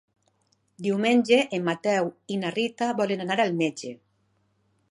Diumenge en Mateu i na Rita volen anar al metge.